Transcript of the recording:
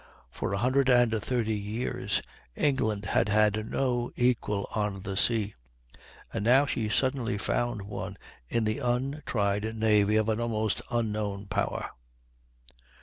For a hundred and thirty years England had had no equal on the sea; and now she suddenly found one in the untried navy of an almost unknown power.